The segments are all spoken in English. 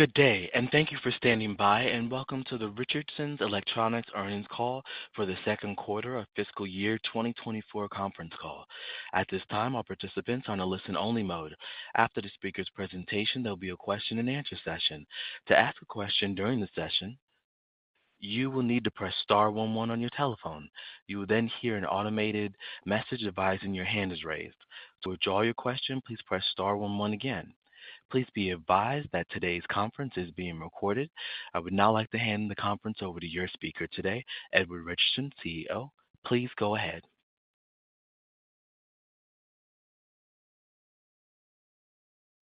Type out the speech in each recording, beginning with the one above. Good day, and thank you for standing by, and welcome to the Richardson Electronics Earnings Call for the second quarter of fiscal year 2024 conference call. At this time, all participants are on a listen-only mode. After the speaker's presentation, there'll be a question-and-answer session. To ask a question during the session, you will need to press star one one on your telephone. You will then hear an automated message advising your hand is raised. To withdraw your question, please press star one one again. Please be advised that today's conference is being recorded. I would now like to hand the conference over to your speaker today, Edward Richardson, CEO. Please go ahead.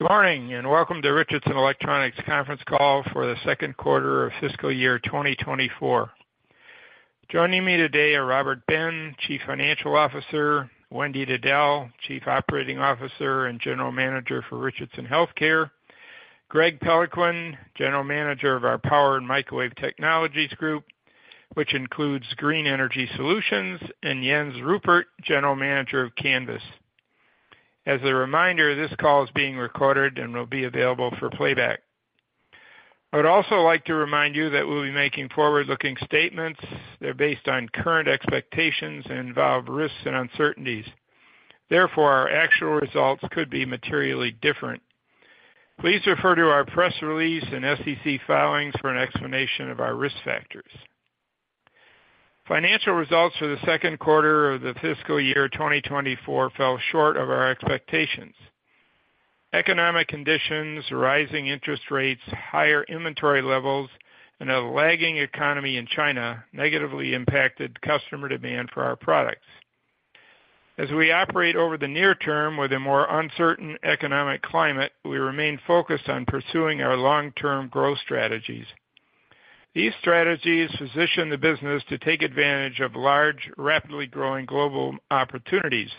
Good morning, and welcome to Richardson Electronics conference call for the second quarter of fiscal year 2024. Joining me today are Robert J. Ben, Chief Financial Officer, Wendy Diddell, Chief Operating Officer and General Manager for Richardson Healthcare, Greg Peloquin, General Manager of our Power and Microwave Technologies Group, which includes Green Energy Solutions, and Jens Ruppert, General Manager of Canvys. As a reminder, this call is being recorded and will be available for playback. I would also like to remind you that we'll be making forward-looking statements. They're based on current expectations and involve risks and uncertainties. Therefore, our actual results could be materially different. Please refer to our press release and SEC filings for an explanation of our risk factors. Financial results for the second quarter of the fiscal year 2024 fell short of our expectations. Economic conditions, rising interest rates, higher inventory levels, and a lagging economy in China negatively impacted customer demand for our products. As we operate over the near term with a more uncertain economic climate, we remain focused on pursuing our long-term growth strategies. These strategies position the business to take advantage of large, rapidly growing global opportunities.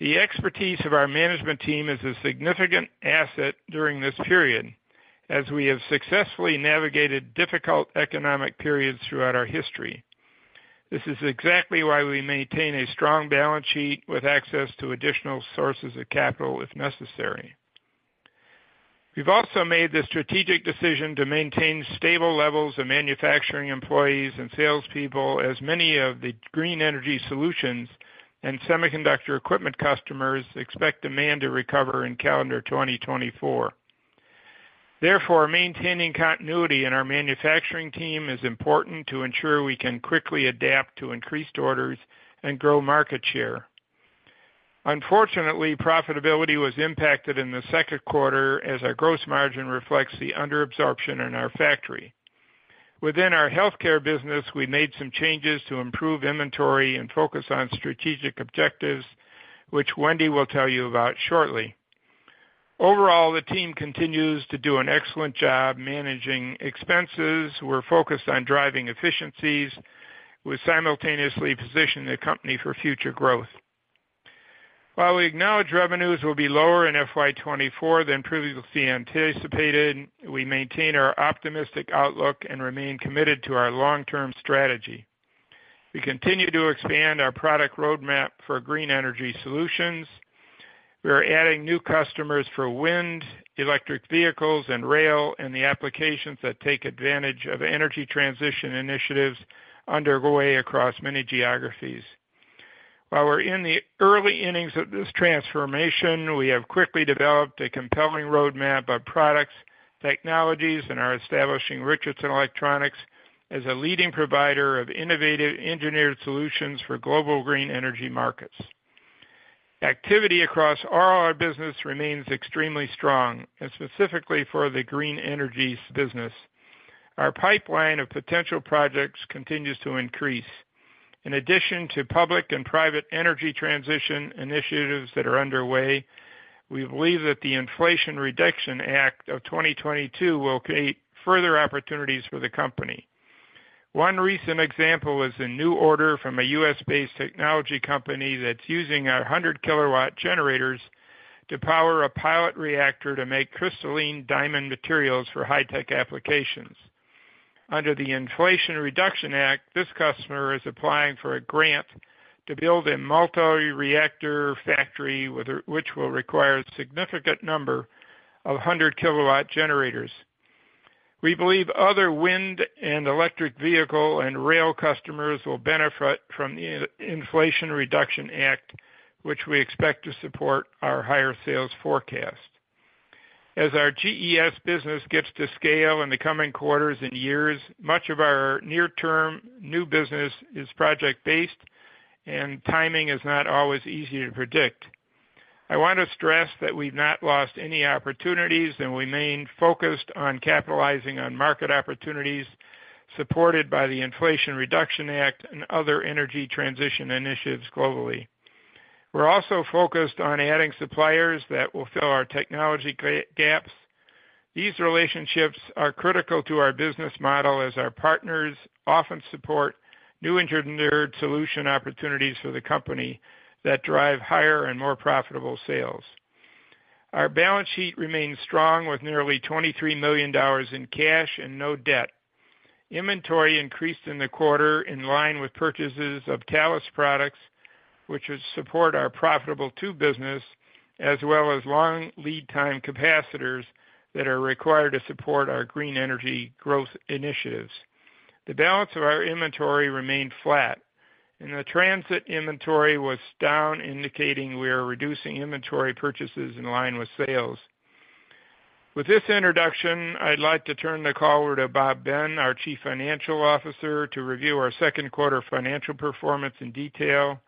The expertise of our management team is a significant asset during this period, as we have successfully navigated difficult economic periods throughout our history. This is exactly why we maintain a strong balance sheet with access to additional sources of capital, if necessary. We've also made the strategic decision to maintain stable levels of manufacturing employees and salespeople, as many of the Green Energy Solutions and semiconductor equipment customers expect demand to recover in calendar 2024. Therefore, maintaining continuity in our manufacturing team is important to ensure we can quickly adapt to increased orders and grow market share. Unfortunately, profitability was impacted in the second quarter as our gross margin reflects the under absorption in our factory. Within our healthcare business, we made some changes to improve inventory and focus on strategic objectives, which Wendy will tell you about shortly. Overall, the team continues to do an excellent job managing expenses. We're focused on driving efficiencies. We simultaneously position the company for future growth. While we acknowledge revenues will be lower in FY 2024 than previously anticipated, we maintain our optimistic outlook and remain committed to our long-term strategy. We continue to expand our product roadmap for Green Energy Solutions. We are adding new customers for wind, electric vehicles, and rail, and the applications that take advantage of energy transition initiatives underway across many geographies. While we're in the early innings of this transformation, we have quickly developed a compelling roadmap of products, technologies, and are establishing Richardson Electronics as a leading provider of innovative engineered solutions for global green energy markets. Activity across all our business remains extremely strong, and specifically for the green energies business. Our pipeline of potential projects continues to increase. In addition to public and private energy transition initiatives that are underway, we believe that the Inflation Reduction Act of 2022 will create further opportunities for the company. One recent example is a new order from a U.S.-based technology company that's using our 100-kilowatt generators to power a pilot reactor to make crystalline diamond materials for high-tech applications. Under the Inflation Reduction Act, this customer is applying for a grant to build a multi-reactor factory, which will require a significant number of 100-kilowatt generators. We believe other wind and electric vehicle and rail customers will benefit from the Inflation Reduction Act, which we expect to support our higher sales forecast. As our GES business gets to scale in the coming quarters and years, much of our near-term new business is project-based, and timing is not always easy to predict. I want to stress that we've not lost any opportunities, and we remain focused on capitalizing on market opportunities supported by the Inflation Reduction Act and other energy transition initiatives globally. We're also focused on adding suppliers that will fill our technology gaps. These relationships are critical to our business model, as our partners often support new engineered solution opportunities for the company that drive higher and more profitable sales. Our balance sheet remains strong, with nearly $23 million in cash and no debt. Inventory increased in the quarter in line with purchases of Thales products, which would support our profitable tube business, as well as long lead time capacitors that are required to support our green energy growth initiatives. The balance of our inventory remained flat, and the transit inventory was down, indicating we are reducing inventory purchases in line with sales. With this introduction, I'd like to turn the call over to Bob Ben, our Chief Financial Officer, to review our second quarter financial performance in detail.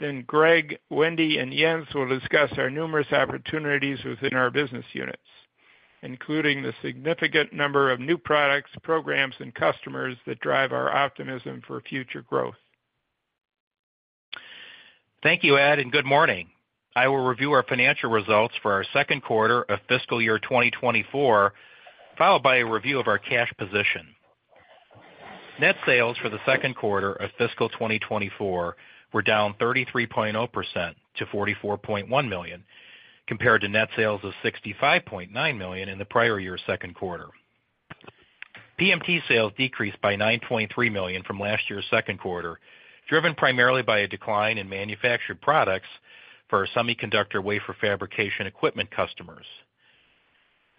Then Greg, Wendy, and Jens will discuss our numerous opportunities within our business units, including the significant number of new products, programs, and customers that drive our optimism for future growth. Thank you, Ed, and good morning. I will review our financial results for our second quarter of fiscal year 2024, followed by a review of our cash position. Net sales for the second quarter of fiscal 2024 were down 33.0% to $44.1 million, compared to net sales of $65.9 million in the prior year's second quarter. PMT sales decreased by $9.3 million from last year's second quarter, driven primarily by a decline in manufactured products for our semiconductor wafer fabrication equipment customers.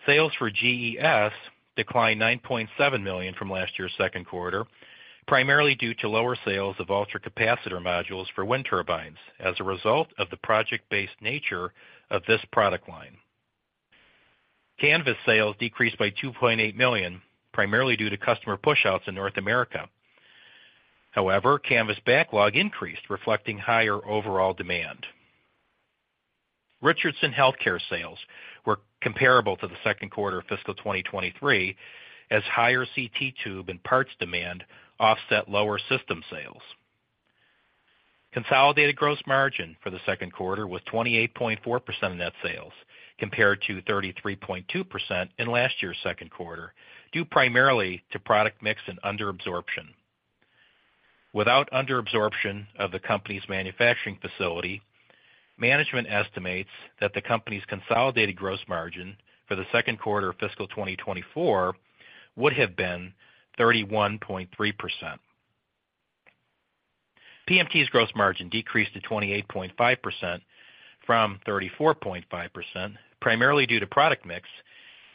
Sales for GES declined $9.7 million from last year's second quarter, primarily due to lower sales of ultracapacitor modules for wind turbines as a result of the project-based nature of this product line. Canvys sales decreased by $2.8 million, primarily due to customer pushouts in North America. However, Canvys backlog increased, reflecting higher overall demand. Richardson Healthcare sales were comparable to the second quarter of fiscal 2023, as higher CT tube and parts demand offset lower system sales. Consolidated gross margin for the second quarter was 28.4% of net sales, compared to 33.2% in last year's second quarter, due primarily to product mix and under absorption. Without under absorption of the company's manufacturing facility, management estimates that the company's consolidated gross margin for the second quarter of fiscal 2024 would have been 31.3%. PMT's gross margin decreased to 28.5% from 34.5%, primarily due to product mix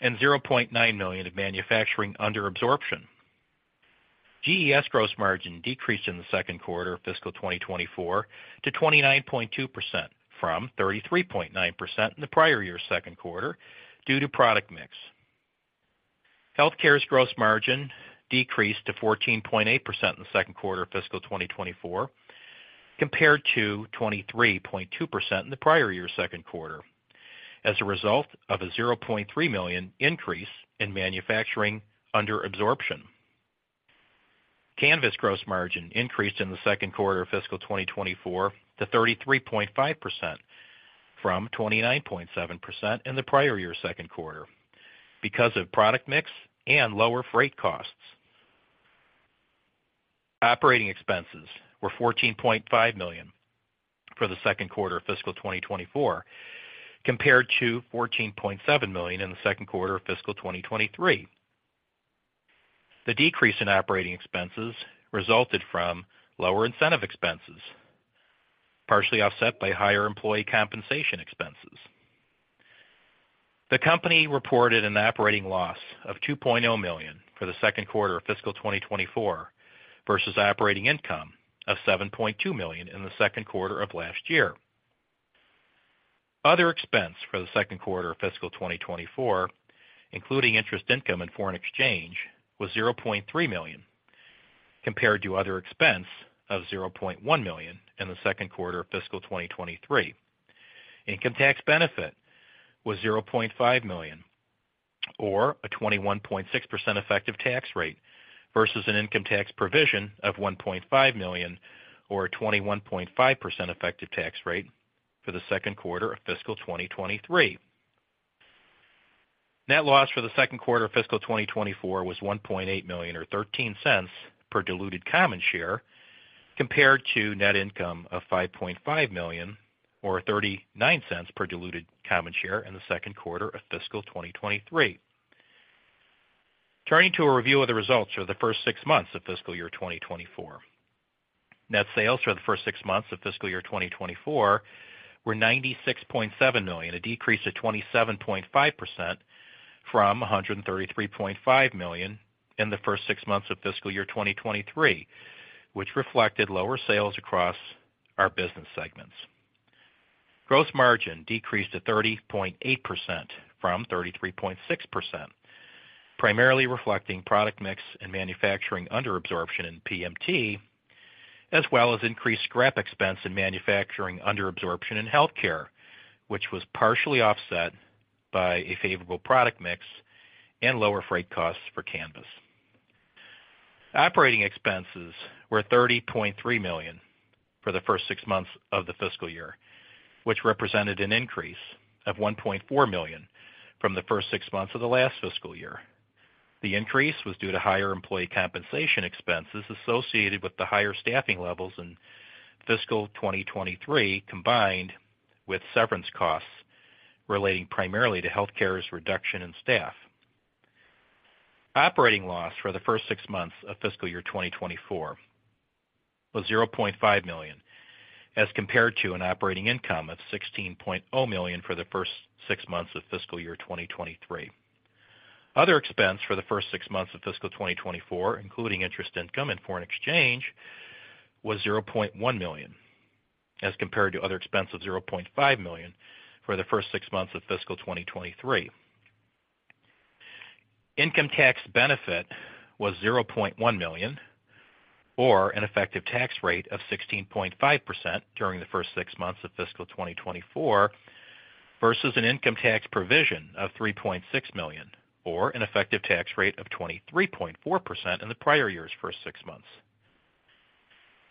and $0.9 million of manufacturing under absorption. GES gross margin decreased in the second quarter of fiscal 2024 to 29.2% from 33.9% in the prior year's second quarter due to product mix. Healthcare's gross margin decreased to 14.8% in the second quarter of fiscal 2024, compared to 23.2% in the prior year's second quarter, as a result of a $0.3 million increase in manufacturing under absorption. Canvys gross margin increased in the second quarter of fiscal 2024 to 33.5% from 29.7% in the prior year's second quarter because of product mix and lower freight costs. Operating expenses were $14.5 million for the second quarter of fiscal 2024, compared to $14.7 million in the second quarter of fiscal 2023. The decrease in operating expenses resulted from lower incentive expenses, partially offset by higher employee compensation expenses. The company reported an operating loss of $2.0 million for the second quarter of fiscal 2024 versus operating income of $7.2 million in the second quarter of last year. Other expense for the second quarter of fiscal 2024, including interest income and foreign exchange, was $0.3 million, compared to other expense of $0.1 million in the second quarter of fiscal 2023. Income tax benefit was $0.5 million, or a 21.6% effective tax rate versus an income tax provision of $1.5 million, or a 21.5% effective tax rate for the second quarter of fiscal 2023. Net loss for the second quarter of fiscal 2024 was $1.8 million, or $0.13 per diluted common share, compared to net income of $5.5 million, or $0.39 per diluted common share in the second quarter of fiscal 2023. Turning to a review of the results for the first six months of fiscal year 2024. Net sales for the first six months of fiscal year 2024 were $96.7 million, a decrease of 27.5% from $133.5 million in the first six months of fiscal year 2023, which reflected lower sales across our business segments. Gross margin decreased to 30.8% from 33.6%, primarily reflecting product mix and manufacturing under absorption in PMT, as well as increased scrap expense and manufacturing under absorption in healthcare, which was partially offset by a favorable product mix and lower freight costs for Canvys. Operating expenses were $30.3 million for the first six months of the fiscal year, which represented an increase of $1.4 million from the first six months of the last fiscal year. The increase was due to higher employee compensation expenses associated with the higher staffing levels in fiscal 2023, combined... with severance costs relating primarily to healthcare's reduction in staff. Operating loss for the first six months of fiscal year 2024 was $0.5 million, as compared to an operating income of $16.0 million for the first six months of fiscal year 2023. Other expense for the first six months of fiscal 2024, including interest income and foreign exchange, was $0.1 million, as compared to other expense of $0.5 million for the first six months of fiscal 2023. Income tax benefit was $0.1 million, or an effective tax rate of 16.5% during the first six months of fiscal 2024, versus an income tax provision of $3.6 million, or an effective tax rate of 23.4% in the prior year's first six months.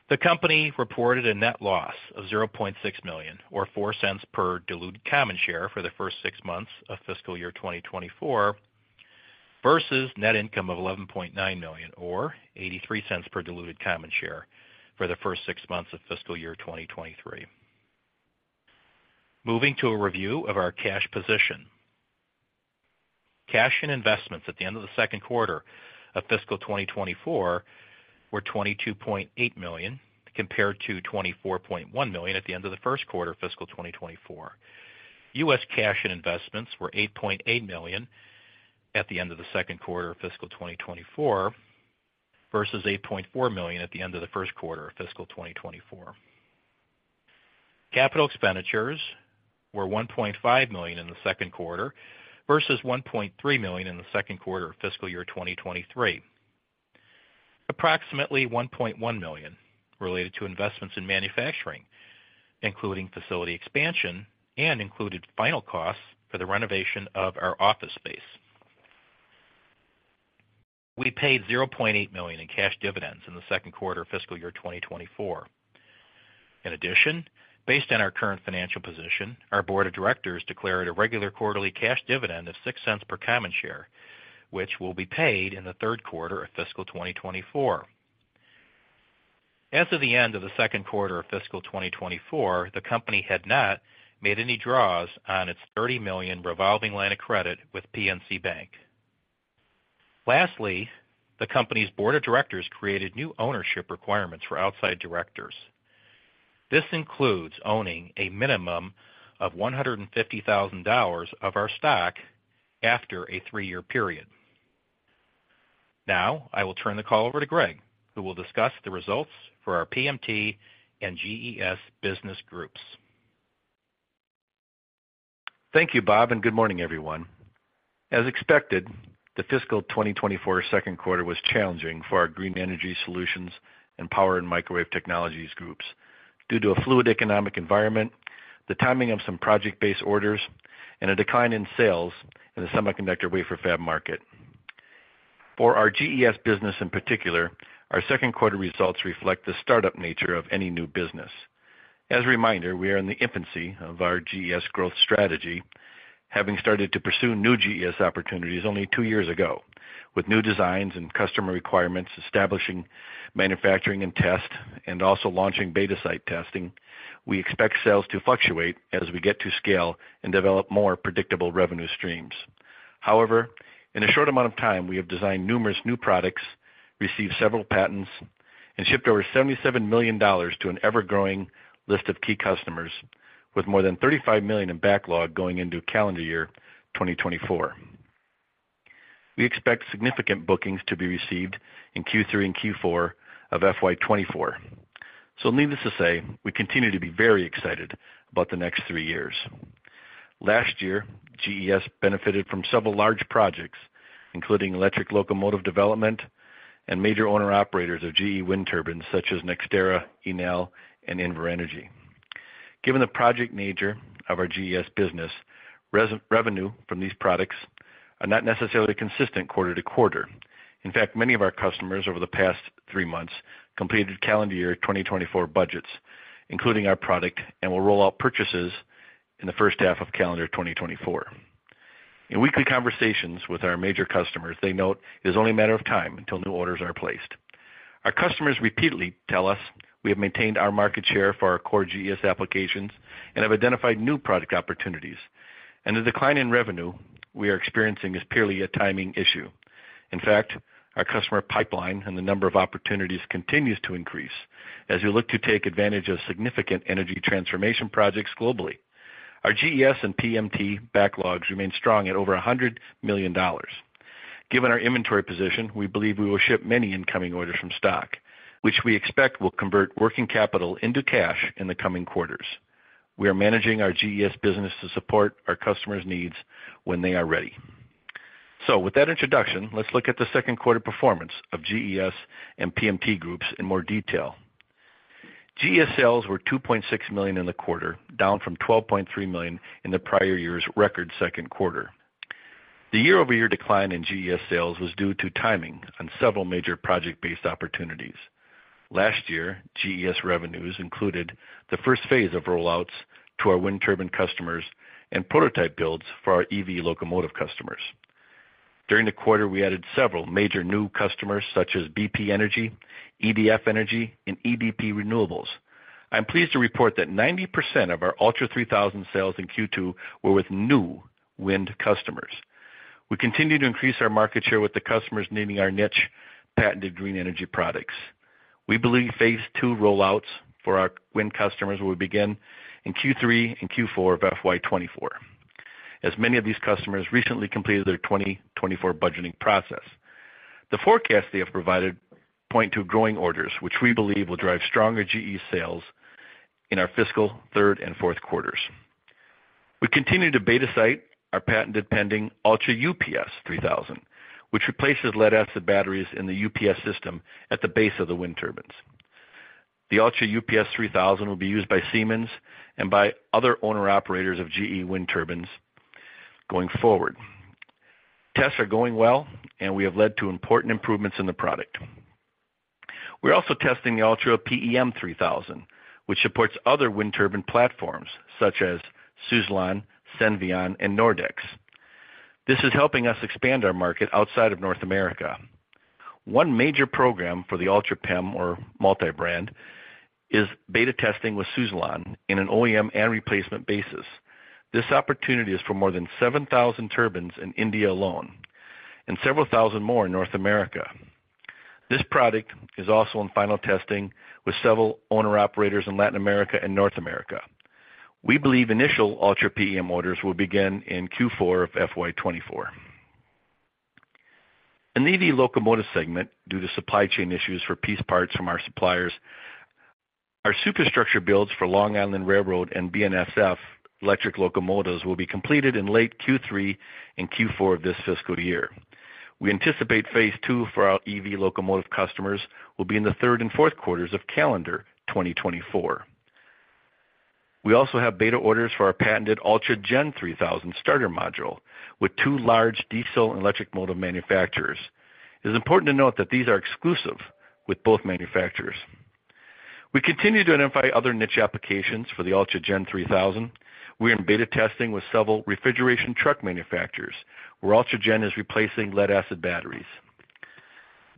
The company reported a net loss of $0.6 million, or $0.04 per diluted common share, for the first six months of fiscal year 2024, versus net income of $11.9 million, or $0.83 per diluted common share, for the first six months of fiscal year 2023. Moving to a review of our cash position. Cash and investments at the end of the second quarter of fiscal 2024 were $22.8 million, compared to $24.1 million at the end of the first quarter of fiscal 2024. US cash and investments were $8.8 million at the end of the second quarter of fiscal 2024, versus $8.4 million at the end of the first quarter of fiscal 2024. Capital expenditures were $1.5 million in the second quarter versus $1.3 million in the second quarter of fiscal year 2023. Approximately $1.1 million related to investments in manufacturing, including facility expansion and included final costs for the renovation of our office space. We paid $0.8 million in cash dividends in the second quarter of fiscal year 2024. In addition, based on our current financial position, our board of directors declared a regular quarterly cash dividend of $0.06 per common share, which will be paid in the third quarter of fiscal 2024. As of the end of the second quarter of fiscal 2024, the company had not made any draws on its $30 million revolving line of credit with PNC Bank. Lastly, the company's board of directors created new ownership requirements for outside directors. This includes owning a minimum of $150,000 of our stock after a 3-year period. Now, I will turn the call over to Greg, who will discuss the results for our PMT and GES business groups. Thank you, Bob, and good morning, everyone. As expected, the fiscal 2024 second quarter was challenging for our Green Energy Solutions and Power and Microwave Technologies groups due to a fluid economic environment, the timing of some project-based orders, and a decline in sales in the semiconductor wafer fab market. For our GES business in particular, our second quarter results reflect the startup nature of any new business. As a reminder, we are in the infancy of our GES growth strategy, having started to pursue new GES opportunities only two years ago. With new designs and customer requirements, establishing manufacturing and test, and also launching beta site testing, we expect sales to fluctuate as we get to scale and develop more predictable revenue streams. However, in a short amount of time, we have designed numerous new products, received several patents, and shipped over $77 million to an ever-growing list of key customers, with more than $35 million in backlog going into calendar year 2024. We expect significant bookings to be received in Q3 and Q4 of FY 2024. So needless to say, we continue to be very excited about the next three years. Last year, GES benefited from several large projects, including electric locomotive development and major owner-operators of GE wind turbines such as NextEra, Enel, and Invenergy. Given the project nature of our GES business, revenue from these products are not necessarily consistent quarter to quarter. In fact, many of our customers over the past three months completed calendar year 2024 budgets, including our product, and will roll out purchases in the first half of calendar 2024. In weekly conversations with our major customers, they note it is only a matter of time until new orders are placed. Our customers repeatedly tell us we have maintained our market share for our core GES applications and have identified new product opportunities, and the decline in revenue we are experiencing is purely a timing issue. In fact, our customer pipeline and the number of opportunities continues to increase as we look to take advantage of significant energy transformation projects globally. Our GES and PMT backlogs remain strong at over $100 million. Given our inventory position, we believe we will ship many incoming orders from stock, which we expect will convert working capital into cash in the coming quarters. We are managing our GES business to support our customers' needs when they are ready. So with that introduction, let's look at the second quarter performance of GES and PMT groups in more detail. GES sales were $2.6 million in the quarter, down from $12.3 million in the prior year's record second quarter. The year-over-year decline in GES sales was due to timing on several major project-based opportunities. Last year, GES revenues included the first phase of rollouts to our wind turbine customers and prototype builds for our EV locomotive customers.... During the quarter, we added several major new customers such as BP Energy, EDF Energy, and EDP Renewables. I'm pleased to report that 90% of our Ultra 3000 sales in Q2 were with new wind customers. We continue to increase our market share with the customers needing our niche patented green energy products. We believe phase II rollouts for our wind customers will begin in Q3 and Q4 of FY 2024, as many of these customers recently completed their 2024 budgeting process. The forecast they have provided points to growing orders, which we believe will drive stronger GE sales in our fiscal third and fourth quarters. We continue to beta site our patent-pending Ultra UPS 3000, which replaces lead acid batteries in the UPS system at the base of the wind turbines. The Ultra UPS 3000 will be used by Siemens and by other owner-operators of GE wind turbines going forward. Tests are going well, and we have led to important improvements in the product. We're also testing the Ultra PEM 3000, which supports other wind turbine platforms such as Suzlon, Senvion, and Nordex. This is helping us expand our market outside of North America. One major program for the Ultra PEM or multi-brand, is beta testing with Suzlon in an OEM and replacement basis. This opportunity is for more than 7,000 turbines in India alone and several thousand more in North America. This product is also in final testing with several owner-operators in Latin America and North America. We believe initial Ultra PEM orders will begin in Q4 of FY 2024. In the EV locomotive segment, due to supply chain issues for piece parts from our suppliers, our superstructure builds for Long Island Rail Road and BNSF electric locomotives will be completed in late Q3 and Q4 of this fiscal year. We anticipate phase II for our EV locomotive customers will be in the third and fourth quarters of calendar 2024. We also have beta orders for our patented Ultra Gen 3000 starter module, with two large diesel and electric motor manufacturers. It is important to note that these are exclusive with both manufacturers. We continue to identify other niche applications for the Ultra Gen 3000. We are in beta testing with several refrigeration truck manufacturers, where Ultra Gen is replacing lead acid batteries.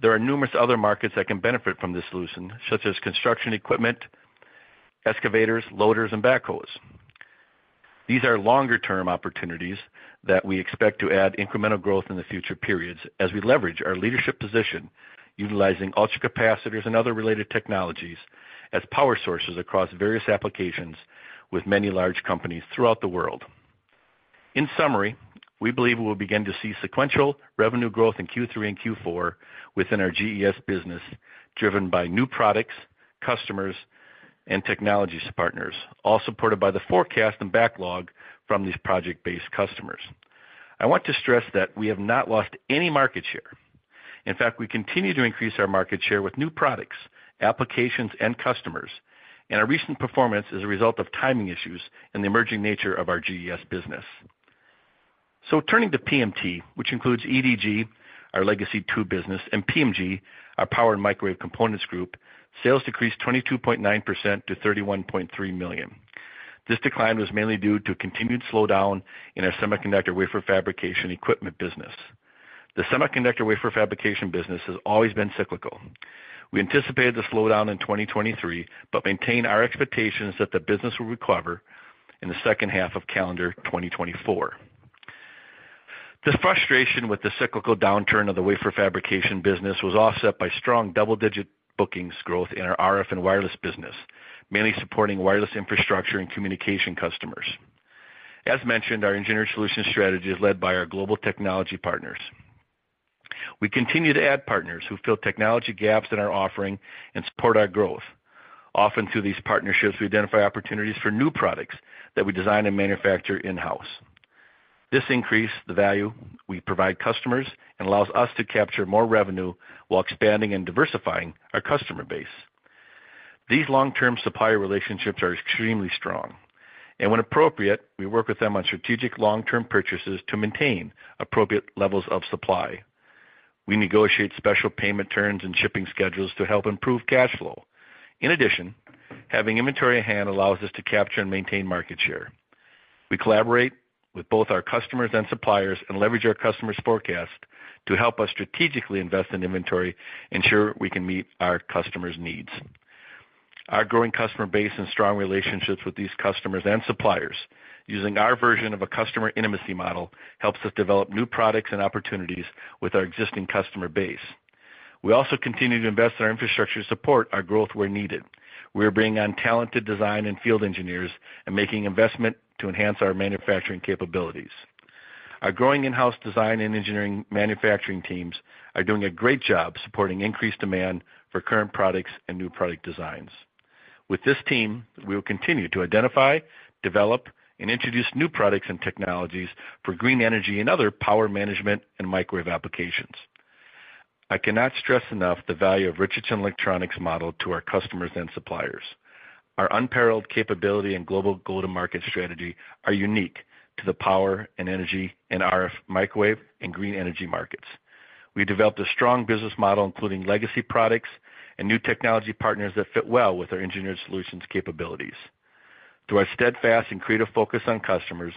There are numerous other markets that can benefit from this solution, such as construction equipment, excavators, loaders, and backhoes. These are longer-term opportunities that we expect to add incremental growth in the future periods as we leverage our leadership position, utilizing ultracapacitors and other related technologies as power sources across various applications with many large companies throughout the world. In summary, we believe we will begin to see sequential revenue growth in Q3 and Q4 within our GES business, driven by new products, customers, and technologies partners, all supported by the forecast and backlog from these project-based customers. I want to stress that we have not lost any market share. In fact, we continue to increase our market share with new products, applications, and customers, and our recent performance is a result of timing issues and the emerging nature of our GES business. So turning to PMT, which includes EDG, our legacy tube business, and PMG, our Power and Microwave Components group, sales decreased 22.9% to $31.3 million. This decline was mainly due to a continued slowdown in our semiconductor wafer fabrication equipment business. The semiconductor wafer fabrication business has always been cyclical. We anticipated the slowdown in 2023, but maintain our expectations that the business will recover in the second half of calendar 2024. The frustration with the cyclical downturn of the wafer fabrication business was offset by strong double-digit bookings growth in our RF and wireless business, mainly supporting wireless infrastructure and communication customers. As mentioned, our engineered solution strategy is led by our global technology partners. We continue to add partners who fill technology gaps in our offering and support our growth. Often through these partnerships, we identify opportunities for new products that we design and manufacture in-house. This increases the value we provide customers and allows us to capture more revenue while expanding and diversifying our customer base. These long-term supplier relationships are extremely strong, and when appropriate, we work with them on strategic long-term purchases to maintain appropriate levels of supply. We negotiate special payment terms and shipping schedules to help improve cash flow. In addition, having inventory on hand allows us to capture and maintain market share. We collaborate with both our customers and suppliers and leverage our customers' forecast to help us strategically invest in inventory, ensure we can meet our customers' needs. Our growing customer base and strong relationships with these customers and suppliers, using our version of a customer intimacy model, helps us develop new products and opportunities with our existing customer base. We also continue to invest in our infrastructure to support our growth where needed. We are bringing on talented design and field engineers and making investment to enhance our manufacturing capabilities. Our growing in-house design and engineering manufacturing teams are doing a great job supporting increased demand for current products and new product designs. With this team, we will continue to identify, develop, and introduce new products and technologies for green energy and other power management and microwave applications. I cannot stress enough the value of Richardson Electronics model to our customers and suppliers. Our unparalleled capability and global go-to-market strategy are unique to the power and energy and RF, microwave, and green energy markets. We developed a strong business model, including legacy products and new technology partners that fit well with our engineered solutions capabilities.... Through our steadfast and creative focus on customers,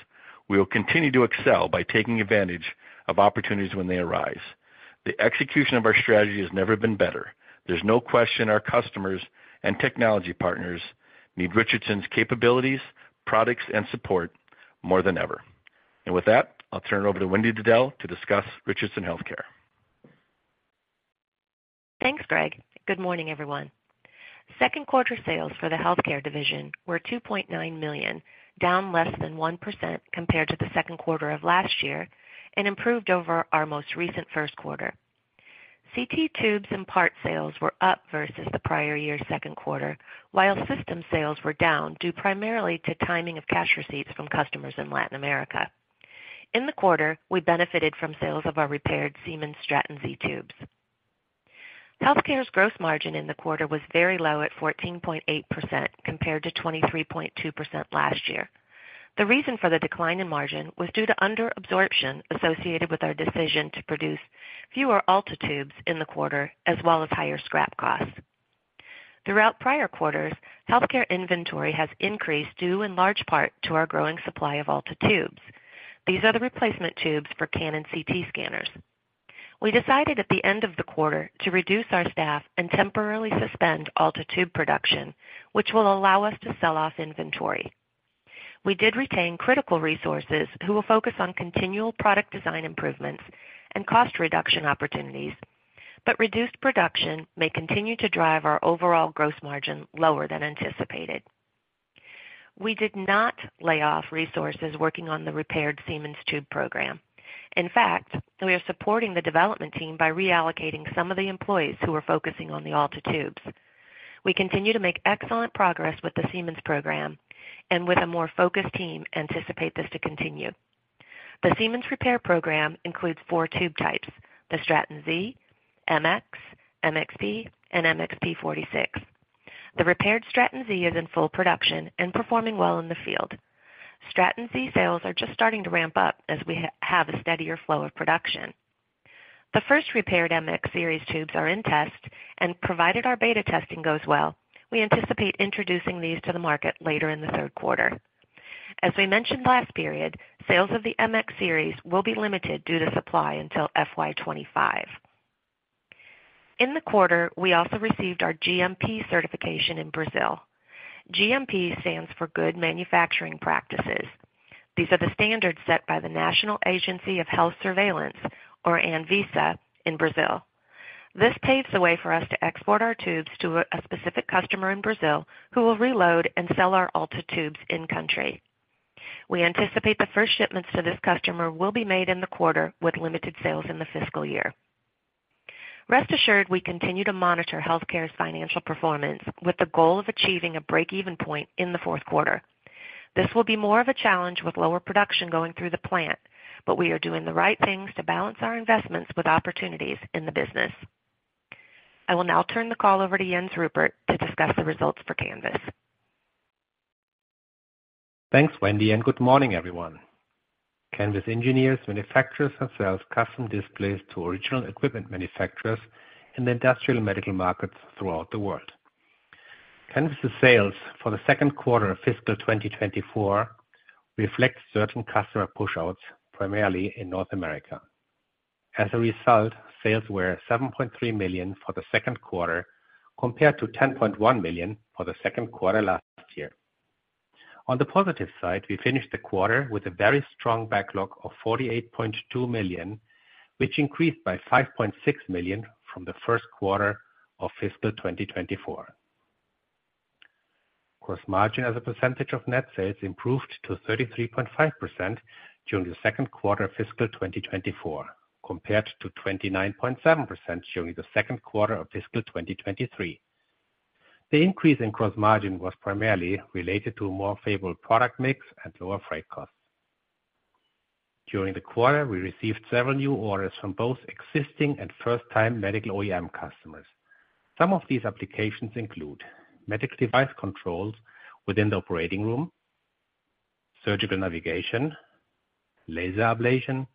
we will continue to excel by taking advantage of opportunities when they arise. The execution of our strategy has never been better. There's no question our customers and technology partners need Richardson's capabilities, products, and support more than ever. And with that, I'll turn it over to Wendy Diddell to discuss Richardson Healthcare. Thanks, Greg. Good morning, everyone. Second quarter sales for the Healthcare division were $2.9 million, down less than 1% compared to the second quarter of last year, and improved over our most recent first quarter. CT tubes and part sales were up versus the prior year's second quarter, while system sales were down, due primarily to timing of cash receipts from customers in Latin America. In the quarter, we benefited from sales of our repaired Siemens Straton Z tubes. Healthcare's gross margin in the quarter was very low at 14.8%, compared to 23.2% last year. The reason for the decline in margin was due to under absorption associated with our decision to produce fewer Alta tubes in the quarter, as well as higher scrap costs. Throughout prior quarters, healthcare inventory has increased, due in large part to our growing supply of Alta tubes. These are the replacement tubes for Canon CT scanners. We decided at the end of the quarter to reduce our staff and temporarily suspend Alta tube production, which will allow us to sell off inventory. We did retain critical resources who will focus on continual product design improvements and cost reduction opportunities, but reduced production may continue to drive our overall gross margin lower than anticipated. We did not lay off resources working on the repaired Siemens tube program. In fact, we are supporting the development team by reallocating some of the employees who are focusing on the Alta tubes. We continue to make excellent progress with the Siemens program, and with a more focused team, anticipate this to continue. The Siemens repair program includes four tube types: the Straton Z, MX, MXP, and MXP-46. The repaired Straton Z is in full production and performing well in the field. Straton Z sales are just starting to ramp up as we have a steadier flow of production. The first repaired MX series tubes are in test, and provided our beta testing goes well, we anticipate introducing these to the market later in the third quarter. As we mentioned last period, sales of the MX series will be limited due to supply until FY 25. In the quarter, we also received our GMP certification in Brazil. GMP stands for Good Manufacturing Practices. These are the standards set by the National Agency of Health Surveillance, or ANVISA, in Brazil. This paves the way for us to export our tubes to a specific customer in Brazil, who will reload and sell our Alta tubes in-country. We anticipate the first shipments to this customer will be made in the quarter, with limited sales in the fiscal year. Rest assured, we continue to monitor healthcare's financial performance, with the goal of achieving a break-even point in the fourth quarter. This will be more of a challenge with lower production going through the plant, but we are doing the right things to balance our investments with opportunities in the business. I will now turn the call over to Jens Ruppert to discuss the results for Canvys. Thanks, Wendy, and good morning, everyone. Canvys engineers, manufactures, and sells custom displays to original equipment manufacturers in the industrial medical markets throughout the world. Canvys' sales for the second quarter of fiscal 2024 reflect certain customer pushouts, primarily in North America. As a result, sales were $7.3 million for the second quarter, compared to $10.1 million for the second quarter last year. On the positive side, we finished the quarter with a very strong backlog of $48.2 million, which increased by $5.6 million from the first quarter of fiscal 2024. Gross margin as a percentage of net sales improved to 33.5% during the second quarter of fiscal 2024, compared to 29.7% during the second quarter of fiscal 2023. The increase in gross margin was primarily related to a more favorable product mix and lower freight costs. During the quarter, we received several new orders from both existing and first-time medical OEM customers. Some of these applications include medical device controls within the operating room, surgical navigation, laser ablation,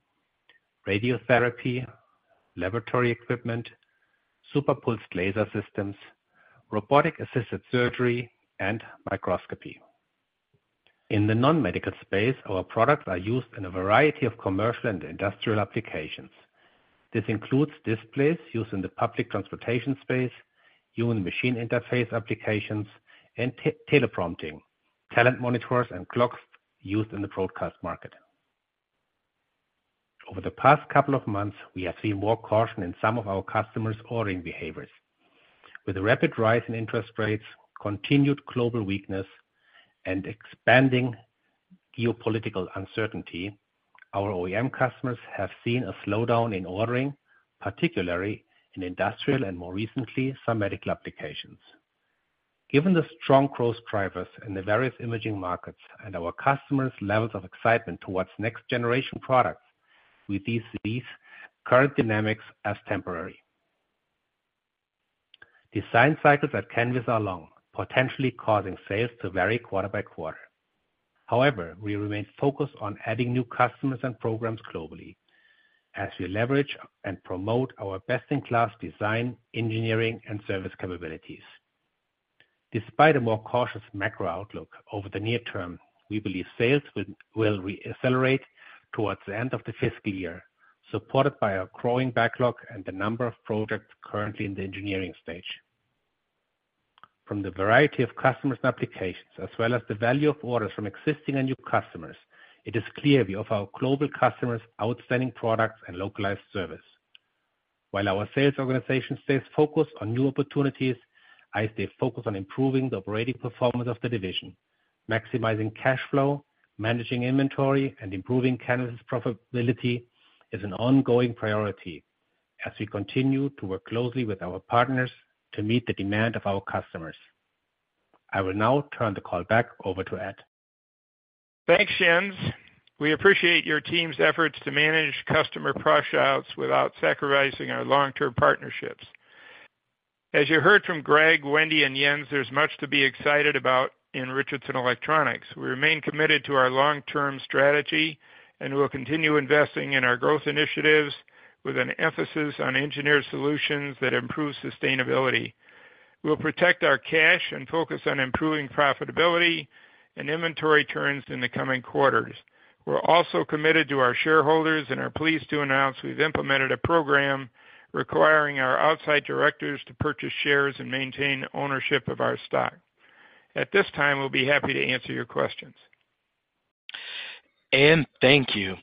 radiotherapy, laboratory equipment, super pulsed laser systems, robotic-assisted surgery, and microscopy. In the non-medical space, our products are used in a variety of commercial and industrial applications. This includes displays used in the public transportation space, human machine interface applications, and teleprompting, talent monitors, and clocks used in the broadcast market. Over the past couple of months, we have seen more caution in some of our customers' ordering behaviors. With the rapid rise in interest rates, continued global weakness, and expanding geopolitical uncertainty, our OEM customers have seen a slowdown in ordering, particularly in industrial and, more recently, some medical applications. Given the strong growth drivers in the various imaging markets and our customers' levels of excitement towards next-generation products, we see these current dynamics as temporary. Design cycles at Canvys are long, potentially causing sales to vary quarter by quarter. However, we remain focused on adding new customers and programs globally.... as we leverage and promote our best-in-class design, engineering, and service capabilities. Despite a more cautious macro outlook over the near term, we believe sales will, will re-accelerate towards the end of the fiscal year, supported by our growing backlog and the number of projects currently in the engineering stage. From the variety of customers and applications, as well as the value of orders from existing and new customers, it is clear we offer our global customers outstanding products and localized service. While our sales organization stays focused on new opportunities, I stay focused on improving the operating performance of the division. Maximizing cash flow, managing inventory, and improving Canvys's profitability is an ongoing priority as we continue to work closely with our partners to meet the demand of our customers. I will now turn the call back over to Ed. Thanks, Jens. We appreciate your team's efforts to manage customer pushouts without sacrificing our long-term partnerships. As you heard from Greg, Wendy, and Jens, there's much to be excited about in Richardson Electronics. We remain committed to our long-term strategy, and we'll continue investing in our growth initiatives with an emphasis on engineered solutions that improve sustainability. We'll protect our cash and focus on improving profitability and inventory turns in the coming quarters. We're also committed to our shareholders and are pleased to announce we've implemented a program requiring our outside directors to purchase shares and maintain ownership of our stock. At this time, we'll be happy to answer your questions. And thank you.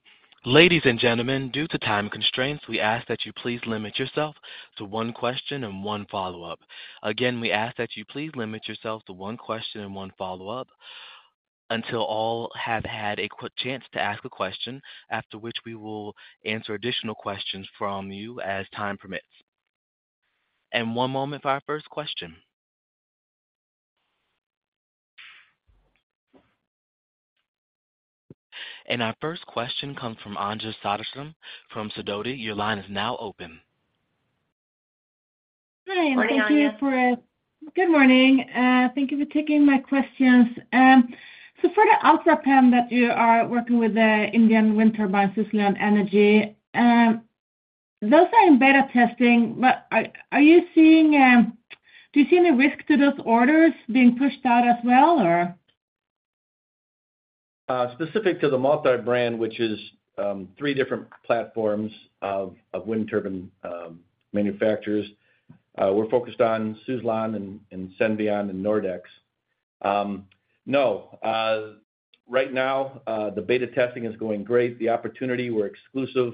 Ladies and gentlemen, due to time constraints, we ask that you please limit yourself to one question and one follow-up. Again, we ask that you please limit yourself to one question and one follow-up, until all have had a quick chance to ask a question, after which we will answer additional questions from you as time permits. And one moment for our first question. And our first question comes from Anja Soderstrom from Sidoti. Your line is now open. Hi, thank you for- Morning, Anja. Good morning, thank you for taking my questions. So for the Ultra PEM that you are working with the Indian wind turbine, Suzlon Energy, those are in beta testing, but are, are you seeing, do you see any risk to those orders being pushed out as well, or? Specific to the multi-brand, which is three different platforms of wind turbine manufacturers, we're focused on Suzlon and Senvion and Nordex. No. Right now, the beta testing is going great. The opportunity, we're exclusive.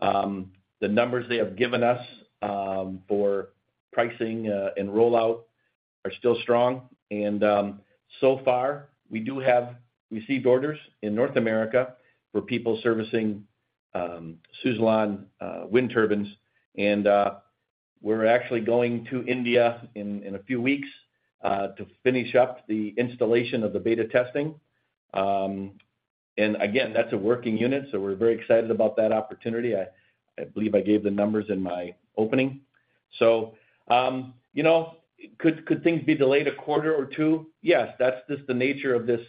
The numbers they have given us for pricing and rollout are still strong, and so far, we do have received orders in North America for people servicing Suzlon wind turbines. And we're actually going to India in a few weeks to finish up the installation of the beta testing. And again, that's a working unit, so we're very excited about that opportunity. I believe I gave the numbers in my opening. So, you know, could things be delayed a quarter or two? Yes, that's just the nature of this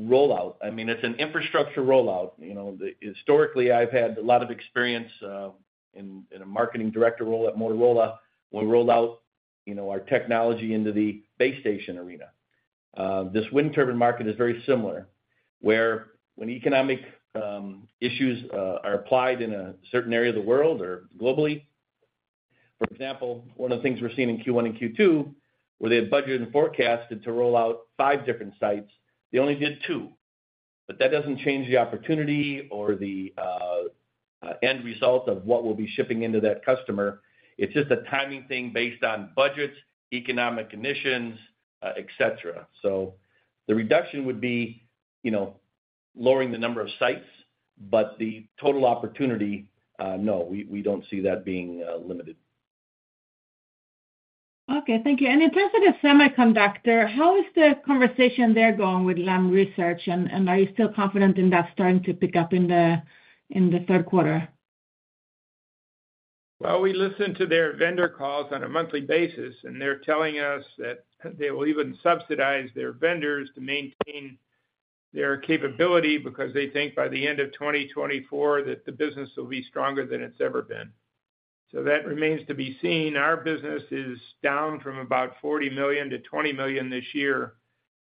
rollout. I mean, it's an infrastructure rollout. You know, historically, I've had a lot of experience, in a marketing director role at Motorola. We rolled out, you know, our technology into the base station arena. This wind turbine market is very similar, where when economic issues are applied in a certain area of the world or globally. For example, one of the things we're seeing in Q1 and Q2, where they had budgeted and forecasted to roll out five different sites, they only did two. But that doesn't change the opportunity or the end result of what we'll be shipping into that customer. It's just a timing thing based on budgets, economic conditions, et cetera. So the reduction would be, you know, lowering the number of sites, but the total opportunity, no, we don't see that being limited. Okay, thank you. And in terms of the semiconductor, how is the conversation there going with Lam Research, and are you still confident in that starting to pick up in the third quarter? Well, we listen to their vendor calls on a monthly basis, and they're telling us that they will even subsidize their vendors to maintain their capability, because they think by the end of 2024, that the business will be stronger than it's ever been. So that remains to be seen. Our business is down from about $40 million to $20 million this year.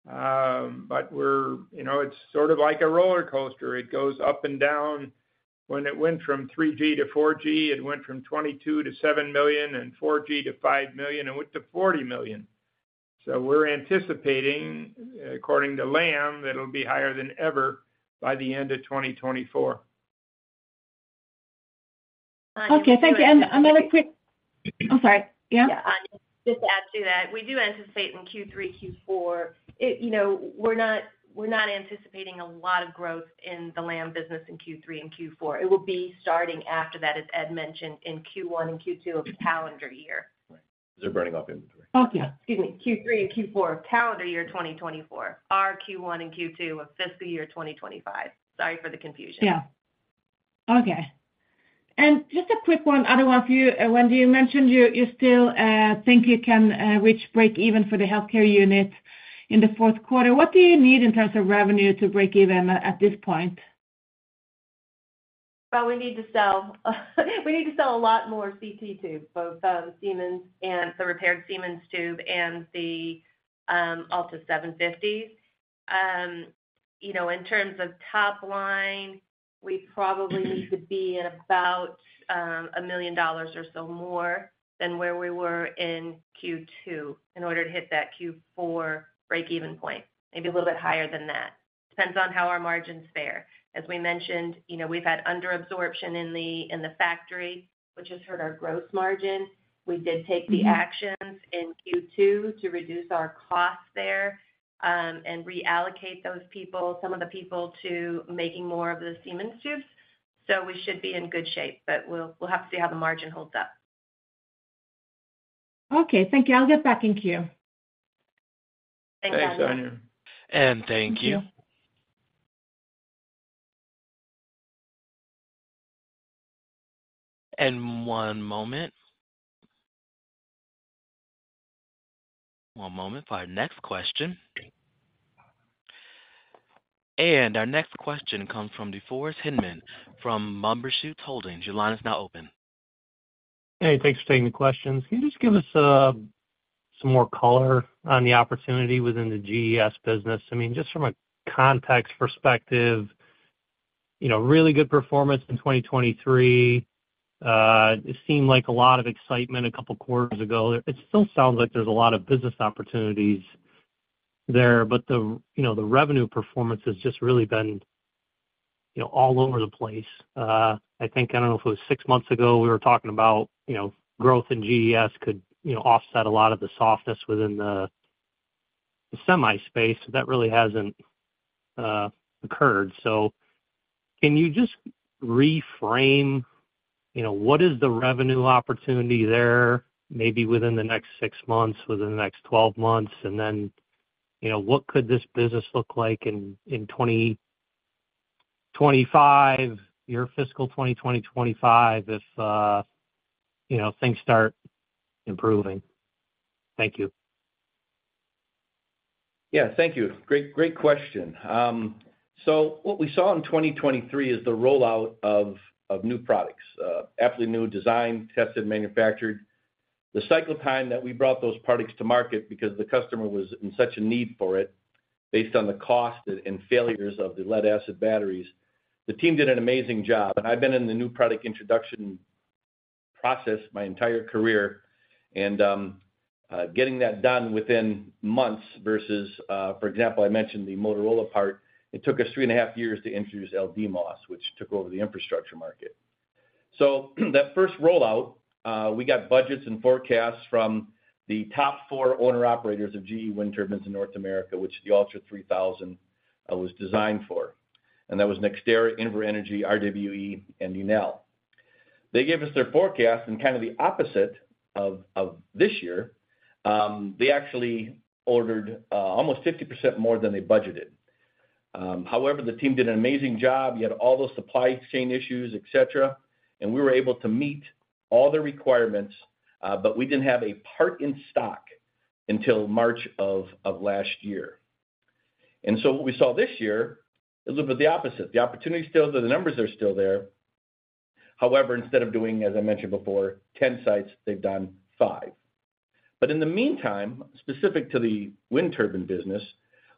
But we're, you know, it's sort of like a roller coaster. It goes up and down. When it went from 3G to 4G, it went from $22 million to $7 million, and 4G to $5 million, it went to $40 million. So we're anticipating, according to Lam, that it'll be higher than ever by the end of 2024. Okay, thank you. And another quick. Oh, sorry. Yeah? Yeah, Anja, just to add to that, we do anticipate in Q3, Q4, it, you know, we're not, we're not anticipating a lot of growth in the Lam business in Q3 and Q4. It will be starting after that, as Ed mentioned, in Q1 and Q2 of the calendar year. Right. They're burning off inventory. Okay. Excuse me, Q3 and Q4 of calendar year 2024, our Q1 and Q2 of fiscal year 2025. Sorry for the confusion. Yeah. Okay. And just a quick one, other one for you, Wendy. You mentioned you still think you can reach breakeven for the healthcare unit in the fourth quarter. What do you need in terms of revenue to break even at this point? Well, we need to sell, we need to sell a lot more CT tubes, both Siemens and the repaired Siemens tube and the Alta 750. You know, in terms of top line, we probably need to be at about $1 million or so more than where we were in Q2 in order to hit that Q4 break-even point. Maybe a little bit higher than that. Depends on how our margins fare. As we mentioned, you know, we've had under absorption in the factory, which has hurt our gross margin. We did take the actions in Q2 to reduce our costs there and reallocate those people, some of the people, to making more of the Siemens tubes. So we should be in good shape, but we'll have to see how the margin holds up. Okay, thank you. I'll get back in queue. Thanks, Anja. Thanks, Anja. Thank you. One moment. One moment for our next question. Our next question comes from DeForest Hinman from Bumbershoot Holdings. Your line is now open. Hey, thanks for taking the questions. Can you just give us some more color on the opportunity within the GES business? I mean, just from a context perspective, you know, really good performance in 2023. It seemed like a lot of excitement a couple quarters ago. It still sounds like there's a lot of business opportunities there, but the, you know, the revenue performance has just really been, you know, all over the place. I think, I don't know if it was six months ago, we were talking about, you know, growth in GES could, you know, offset a lot of the softness within the, the semi space. That really hasn't occurred. So can you just reframe, you know, what is the revenue opportunity there, maybe within the next six months, within the next twelve months? And then, you know, what could this business look like in 2025, your fiscal 2025, if, you know, things start improving? Thank you. Yeah, thank you. Great, great question. So what we saw in 2023 is the rollout of new products, absolutely new design, tested, manufactured. The cycle time that we brought those products to market because the customer was in such a need for it, based on the cost and failures of the lead acid batteries, the team did an amazing job. And I've been in the new product introduction process my entire career, and getting that done within months versus for example, I mentioned the Motorola part, it took us 3.5 years to introduce LDMOS, which took over the infrastructure market. So that first rollout, we got budgets and forecasts from the top four owner-operators of GE wind turbines in North America, which the Ultra 3000 was designed for, and that was NextEra, Invenergy, RWE, and Enel. They gave us their forecast and kind of the opposite of this year, they actually ordered almost 50% more than they budgeted. However, the team did an amazing job. You had all those supply chain issues, et cetera, and we were able to meet all the requirements, but we didn't have a part in stock until March of last year. And so what we saw this year is a little bit the opposite. The opportunity is still there, the numbers are still there. However, instead of doing, as I mentioned before, 10 sites, they've done 5. But in the meantime, specific to the wind turbine business,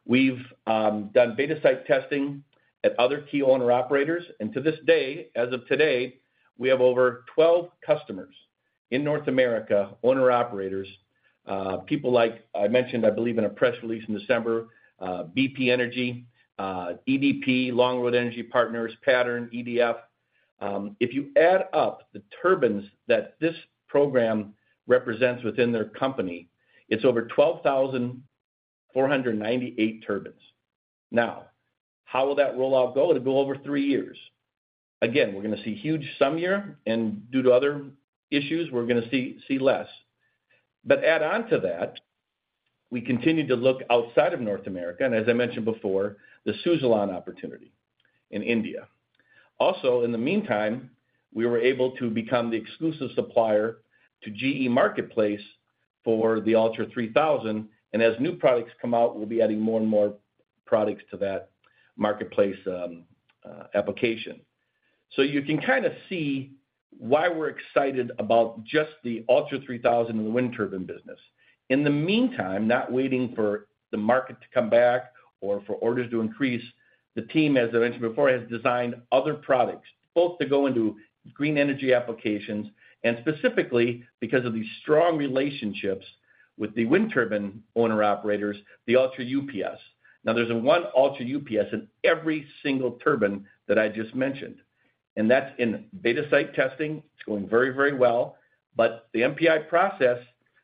we've done beta site testing at other key owner-operators, and to this day, as of today, we have over 12 customers in North America, owner-operators, people like I mentioned, I believe in a press release in December, BP Energy, EDF, Longroad Energy Partners, Pattern, EDF. If you add up the turbines that this program represents within their company, it's over 12,498 turbines. Now, how will that rollout go? It'll go over three years. Again, we're gonna see huge some year, and due to other issues, we're gonna see less. But add on to that, we continue to look outside of North America, and as I mentioned before, the Suzlon opportunity in India. Also, in the meantime, we were able to become the exclusive supplier to GE Marketplace for the Ultra 3000, and as new products come out, we'll be adding more and more products to that marketplace application. So you can kinda see why we're excited about just the Ultra 3000 in the wind turbine business. In the meantime, not waiting for the market to come back or for orders to increase, the team, as I mentioned before, has designed other products, both to go into green energy applications and specifically, because of these strong relationships with the wind turbine owner-operators, the Ultra UPS. Now, there's one Ultra UPS in every single turbine that I just mentioned, and that's in beta site testing. It's going very, very well. The NPI process,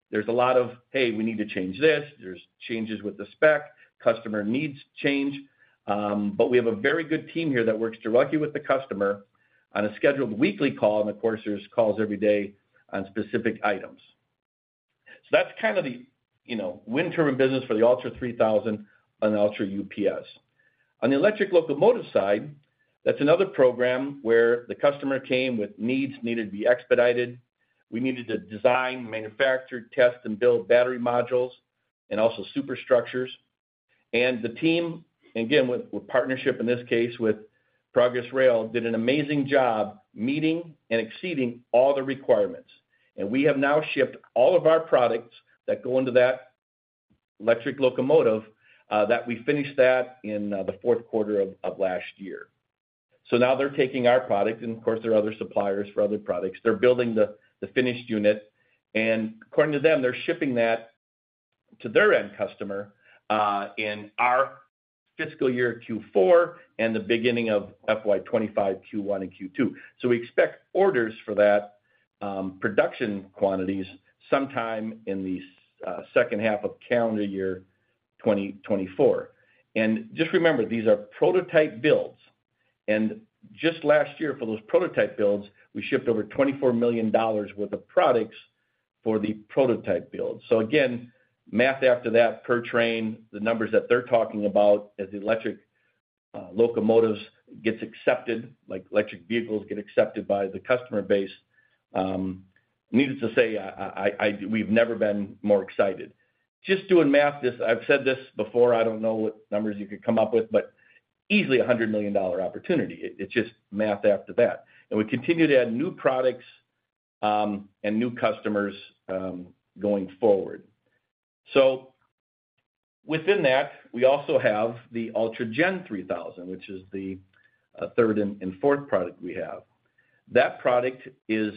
there's a lot of, "Hey, we need to change this." There's changes with the spec, customer needs change, but we have a very good team here that works directly with the customer on a scheduled weekly call, and of course, there's calls every day on specific items. So that's kind of the, you know, wind turbine business for the Ultra 3000 and Ultra UPS. On the electric locomotive side, that's another program where the customer came with needs, needed to be expedited. We needed to design, manufacture, test, and build battery modules and also superstructures. The team, again, with partnership, in this case, with Progress Rail, did an amazing job meeting and exceeding all the requirements. We have now shipped all of our products that go into that electric locomotive that we finished that in the fourth quarter of last year. So now they're taking our product, and of course, there are other suppliers for other products. They're building the finished unit, and according to them, they're shipping that to their end customer in our fiscal year Q4 and the beginning of FY 2025, Q1 and Q2. So we expect orders for that production quantities sometime in the second half of calendar year 2024. And just remember, these are prototype builds, and just last year, for those prototype builds, we shipped over $24 million worth of products for the prototype build. So again, math after that, per train, the numbers that they're talking about as the electric locomotives gets accepted, like electric vehicles get accepted by the customer base. Needless to say, we've never been more excited. Just doing math, this. I've said this before, I don't know what numbers you could come up with, but easily a $100 million opportunity. It's just math after that. And we continue to add new products and new customers going forward. So within that, we also have the Ultra Gen 3000, which is the third and fourth product we have. That product is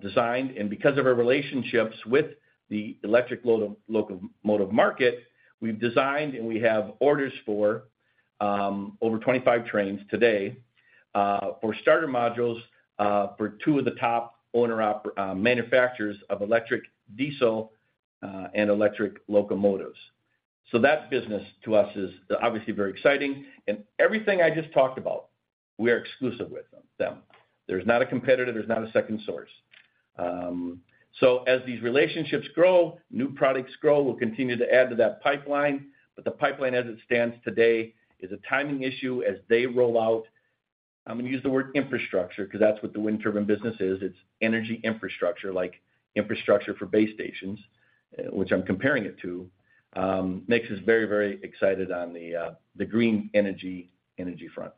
designed, and because of our relationships with the electric locomotive market, we've designed and we have orders for over 25 trains today for starter modules for two of the top owner-operators, manufacturers of electric diesel and electric locomotives. So that business to us is obviously very exciting. And everything I just talked about, we are exclusive with them. There's not a competitor, there's not a second source. So as these relationships grow, new products grow, we'll continue to add to that pipeline, but the pipeline, as it stands today, is a timing issue as they roll out. I'm gonna use the word infrastructure, because that's what the wind turbine business is. It's energy infrastructure, like infrastructure for base stations, which I'm comparing it to, makes us very, very excited on the green energy front.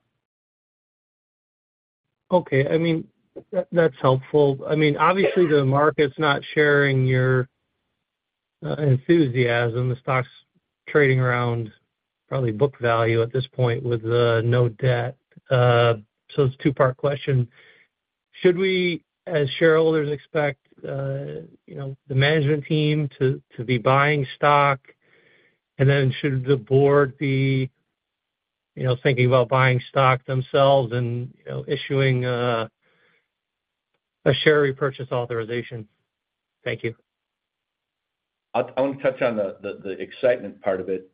Okay. I mean, that's helpful. I mean, obviously, the market's not sharing your enthusiasm. The stock's trading around probably book value at this point with no debt. So it's a two-part question: Should we, as shareholders, expect you know, the management team to be buying stock? And then should the board be you know, thinking about buying stock themselves and you know, issuing a share repurchase authorization? Thank you. I want to touch on the excitement part of it.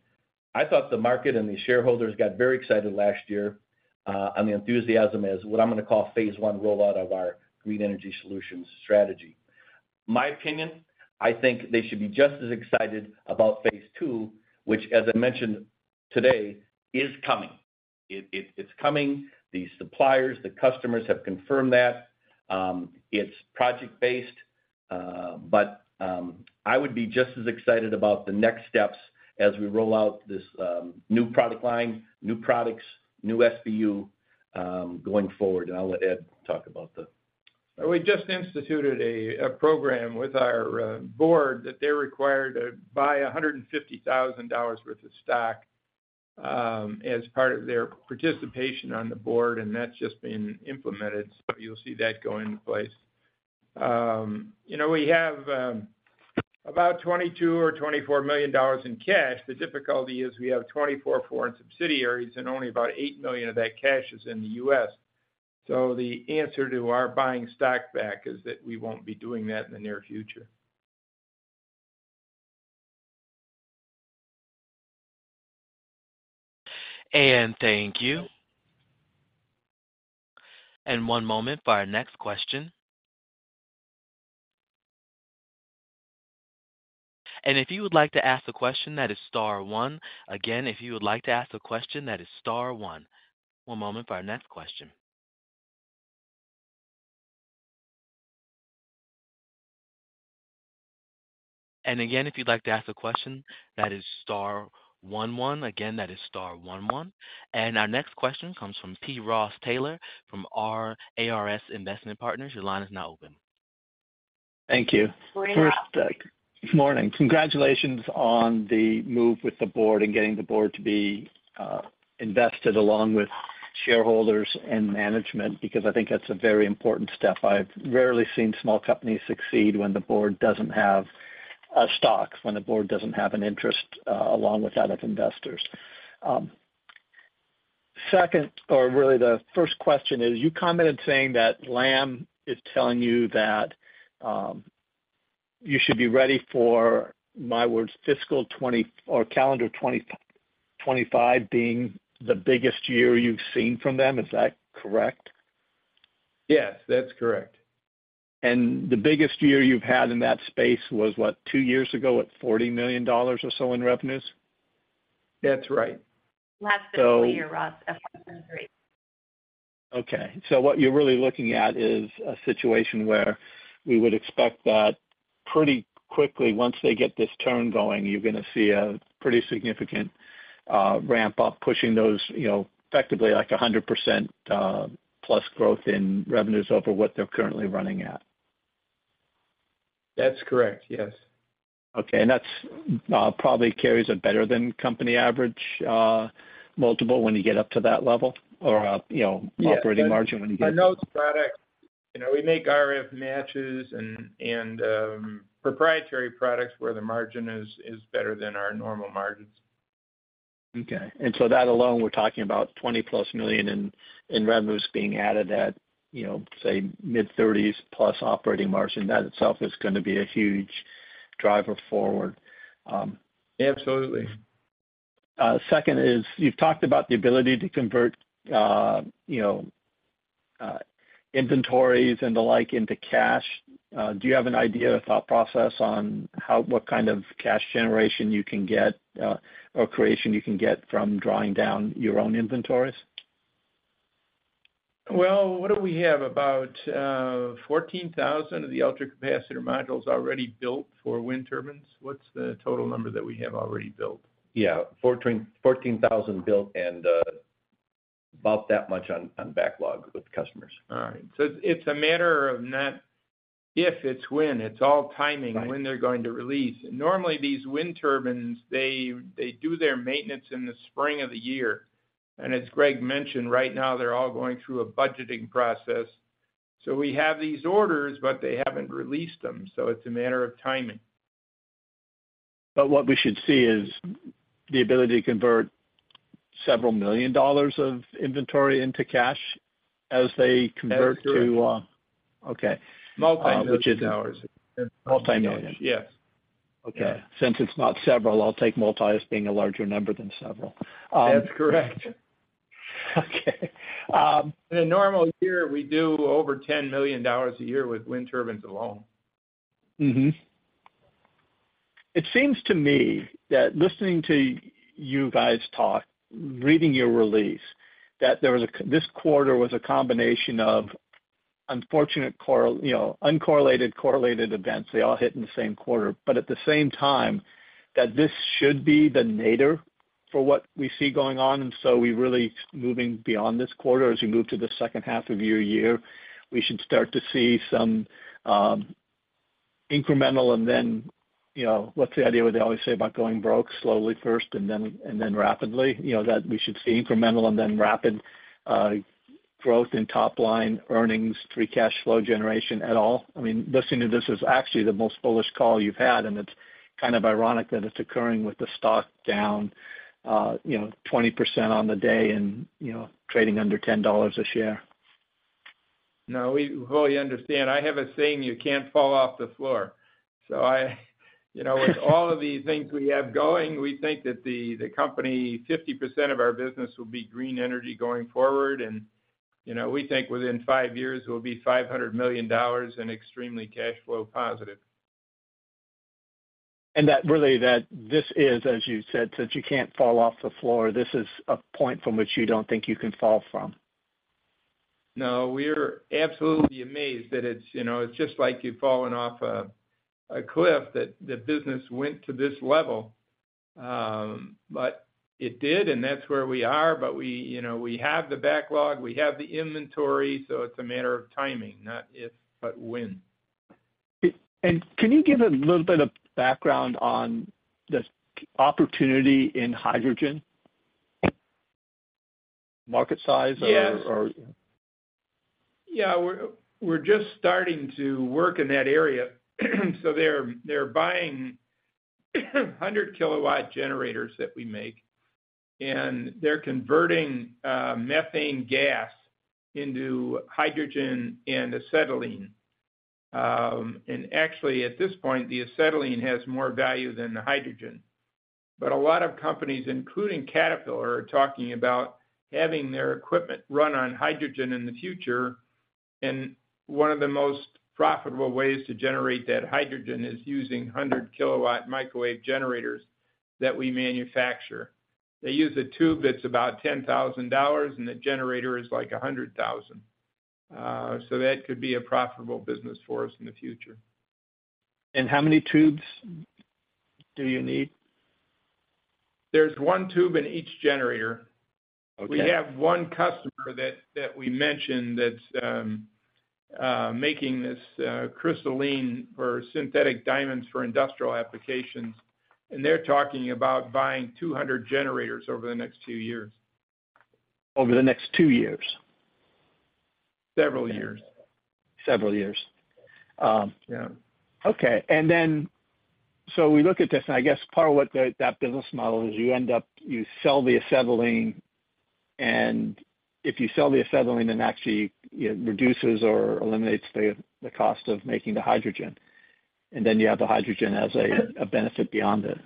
I thought the market and the shareholders got very excited last year on the enthusiasm as what I'm gonna call phase I rollout of our Green Energy Solutions strategy. My opinion, I think they should be just as excited about phase II, which, as I mentioned today, is coming. It, it's coming. The suppliers, the customers have confirmed that it's project-based, but I would be just as excited about the next steps as we roll out this new product line, new products, new SBU, going forward. And I'll let Ed talk about that. We just instituted a program with our board that they're required to buy $150,000 worth of stock as part of their participation on the board, and that's just been implemented, so you'll see that go into place. You know, we have about $22 million-$24 million in cash. The difficulty is we have 24 foreign subsidiaries, and only about $8 million of that cash is in the US. So the answer to our buying stock back is that we won't be doing that in the near future. Thank you. One moment for our next question. If you would like to ask a question, that is star one. Again, if you would like to ask a question, that is star one. One moment for our next question. Again, if you'd like to ask a question, that is star one one. Again, that is star one one. Our next question comes from P. Ross Taylor from ARS Investment Partners. Your line is now open. Thank you. First, morning. Congratulations on the move with the board and getting the board to be, invested along with shareholders and management, because I think that's a very important step. I've rarely seen small companies succeed when the board doesn't have, stocks, when the board doesn't have an interest, along with that of investors. Second, or really the first question is, you commented saying that Lam is telling you that, you should be ready for, my words, fiscal 20 or calendar 2025 being the biggest year you've seen from them. Is that correct?... Yes, that's correct. The biggest year you've had in that space was, what, two years ago, at $40 million or so in revenues? That's right. Last fiscal year, Ross, of 2023. Okay. So what you're really looking at is a situation where we would expect that pretty quickly, once they get this turn going, you're gonna see a pretty significant ramp-up, pushing those, you know, effectively, like 100% plus growth in revenues over what they're currently running at. That's correct, yes. Okay. And that's probably carries a better than company average multiple, when you get up to that level or, you know, operating margin when you get- But those products, you know, we make RF matches and proprietary products where the margin is better than our normal margins. Okay. So that alone, we're talking about $20+ million in revenues being added at, you know, say, mid-30s+ operating margin. That itself is gonna be a huge driver forward. Absolutely. Second is, you've talked about the ability to convert, you know, inventories and the like, into cash. Do you have an idea or thought process on how—what kind of cash generation you can get, or creation you can get from drawing down your own inventories? Well, what do we have? About 14,000 of the ultracapacitor modules already built for wind turbines. What's the total number that we have already built? Yeah, 14,000 built, and about that much on backlog with customers. All right. So it's a matter of not if, it's when. It's all timing- Right When they're going to release. And normally, these wind turbines, they do their maintenance in the spring of the year, and as Greg mentioned, right now, they're all going through a budgeting process. So we have these orders, but they haven't released them, so it's a matter of timing. What we should see is the ability to convert $several million of inventory into cash as they convert to, That's correct. Okay. Multi-million dollars. Multi-million? Yes. Okay. Since it's not several, I'll take multi as being a larger number than several. That's correct. Okay. Um- In a normal year, we do over $10 million a year with wind turbines alone. Mm-hmm. It seems to me that listening to you guys talk, reading your release, this quarter was a combination of unfortunate, you know, uncorrelated, correlated events. They all hit in the same quarter, but at the same time, that this should be the nadir for what we see going on, and so we really moving beyond this quarter, as you move to the second half of your year, we should start to see some, incremental, and then, you know, what's the idea what they always say about going broke? Slowly first and then, and then rapidly. You know, that we should see incremental and then rapid, growth in top line earnings, free cash flow generation at all. I mean, listening to this is actually the most bullish call you've had, and it's kind of ironic that it's occurring with the stock down, you know, 20% on the day and, you know, trading under $10 a share. No, we wholly understand. I have a saying: "You can't fall off the floor." So I, you know, with all of these things we have going, we think that the company, 50% of our business will be green energy going forward, and, you know, we think within five years, it'll be $500 million and extremely cash flow positive. That really, that this is, as you said, since you can't fall off the floor, this is a point from which you don't think you can fall from. No, we're absolutely amazed that it's, you know, it's just like you've fallen off a cliff, that the business went to this level. But it did, and that's where we are. But we, you know, we have the backlog, we have the inventory, so it's a matter of timing, not if, but when. Can you give a little bit of background on the opportunity in hydrogen? Market size or- Yes Or... Yeah, we're, we're just starting to work in that area. So they're, they're buying 100-kilowatt generators that we make, and they're converting methane gas into hydrogen and acetylene. And actually, at this point, the acetylene has more value than the hydrogen. But a lot of companies, including Caterpillar, are talking about having their equipment run on hydrogen in the future, and one of the most profitable ways to generate that hydrogen is using 100-kilowatt microwave generators that we manufacture. They use a tube that's about $10,000, and the generator is, like, $100,000. So that could be a profitable business for us in the future. How many tubes do you need? There's one tube in each generator. Okay. We have one customer that we mentioned that's making this crystalline for synthetic diamonds for industrial applications, and they're talking about buying 200 generators over the next two years. Over the next two years? Several years. Several years. Um, yeah. Okay, and then, so we look at this, and I guess part of what that business model is, you end up, you sell the acetylene, and if you sell the acetylene, then actually, it reduces or eliminates the cost of making the hydrogen, and then you have the hydrogen as a benefit beyond it....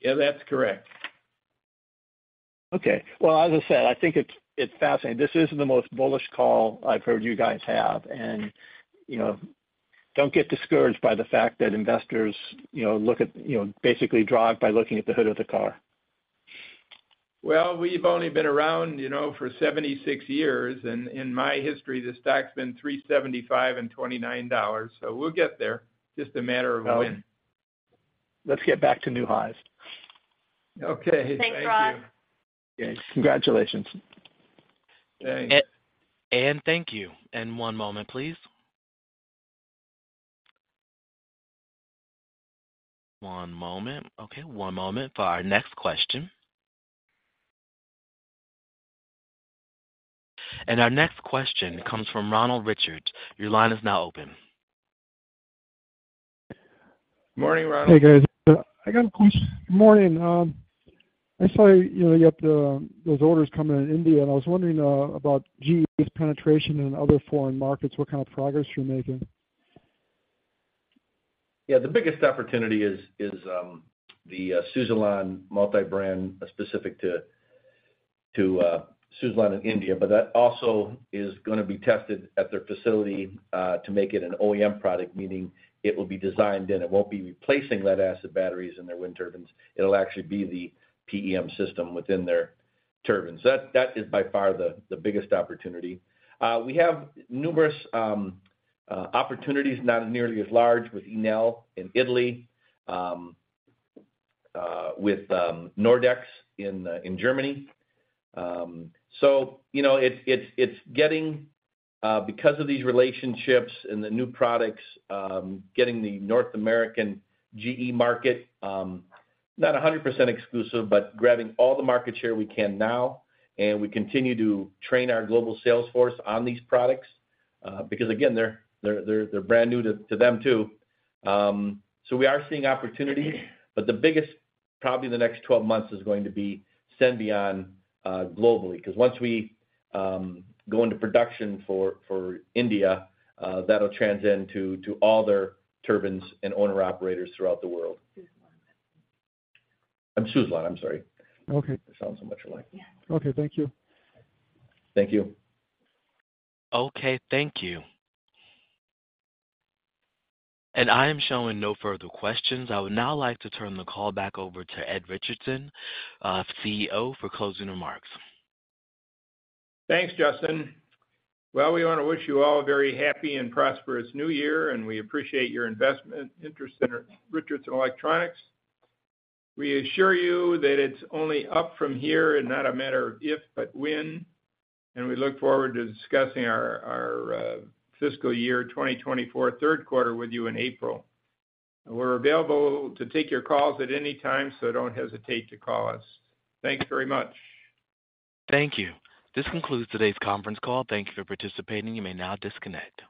Yeah, that's correct. Okay. Well, as I said, I think it's fascinating. This is the most bullish call I've heard you guys have, and, you know, don't get discouraged by the fact that investors, you know, look at, you know, basically drive by looking at the hood of the car. Well, we've only been around, you know, for 76 years, and in my history, the stock's been $3.75 and $29, so we'll get there. Just a matter of when. Let's get back to new highs. Okay. Thanks, Rob. Congratulations. Thanks. And thank you. One moment, please. One moment. Okay, one moment for our next question. Our next question comes from Ronald Richards. Your line is now open. Morning, Ronald. Hey, guys. I got a question. Morning, I saw, you know, you have the, those orders coming in India, and I was wondering about GE's penetration in other foreign markets, what kind of progress you're making? Yeah, the biggest opportunity is the Suzlon multi-brand, specific to Suzlon in India, but that also is gonna be tested at their facility to make it an OEM product, meaning it will be designed in. It won't be replacing lead-acid batteries in their wind turbines, it'll actually be the PEM system within their turbines. That is by far the biggest opportunity. We have numerous opportunities, not nearly as large, with Enel in Italy, with Nordex in Germany. So you know, it's getting, because of these relationships and the new products, getting the North American GE market, not 100% exclusive, but grabbing all the market share we can now, and we continue to train our global sales force on these products, because again, they're brand new to them, too. So we are seeing opportunities, but the biggest, probably in the next 12 months, is going to be Senvion, globally. Because once we go into production for India, that'll transcend to all their turbines and owner-operators throughout the world. Suzlon. Suzlon, I'm sorry. Okay. I sound so much alike. Yeah. Okay, thank you. Thank you. Okay, thank you. I am showing no further questions. I would now like to turn the call back over to Ed Richardson, CEO, for closing remarks. Thanks, Justin. Well, we want to wish you all a very happy and prosperous New Year, and we appreciate your investment interest in Richardson Electronics. We assure you that it's only up from here and not a matter of if, but when. We look forward to discussing our fiscal year 2024 third quarter with you in April. We're available to take your calls at any time, so don't hesitate to call us. Thank you very much. Thank you. This concludes today's conference call. Thank you for participating. You may now disconnect.